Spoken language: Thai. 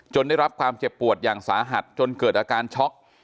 ได้รับความเจ็บปวดอย่างสาหัสจนเกิดอาการช็อก